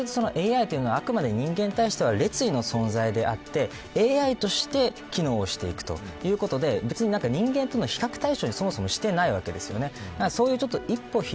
ただ、こちらはどちらかというとＡＩはあくまで人間に対しては劣位の存在であってＡＩとして機能していくということで別に人間との比較対象にそもそも、していないわけです。